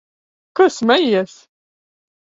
Ko smejies?